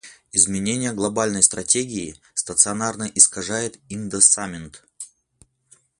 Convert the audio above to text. Изменение глобальной стратегии стационарно искажает индоссамент.